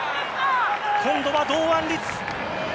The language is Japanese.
今度は堂安律！